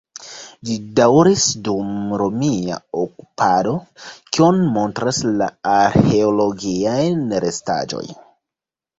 Ĝi daŭris dum romia okupado, kion montras la arĥeologiaj restaĵoj.